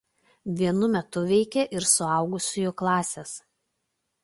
Vienu metu veikė ir suaugusiųjų klasės.